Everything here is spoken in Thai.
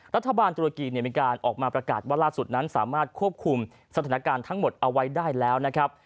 รัฐบาลตุรกีมีการออกมาประกาศว่าล่าสุดนั้นสามารถควบคุมสถานการณ์ทั้งหมดเอาไว้ได้แล้วนะครับ